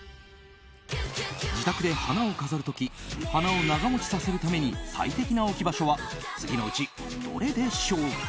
自宅で花を飾る時花を長持ちさせるために最適な置き場所は次のうちどれでしょうか。